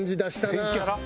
全キャラ。